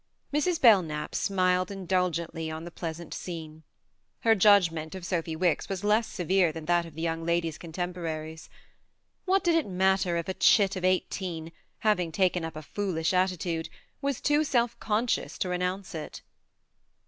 Mrs. Belknap smiled indulgently on the pleasant scene : her judgement of Sophy Wicks was less severe than that of the young lady's contemporaries. What did it matter if a chit of eighteen, having taken up a foolish attitude, was too self conscious to renounce it